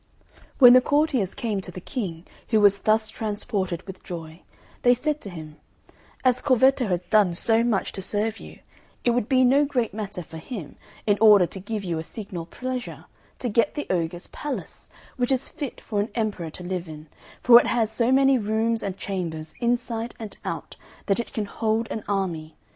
When the courtiers came to the King, who was thus transported with joy, they said to him, "As Corvetto has done so much to serve you, it would be no great matter for him, in order to give you a signal pleasure, to get the ogre's palace, which is fit for an emperor to live in; for it has so many rooms and chambers, inside and out, that it can hold an army.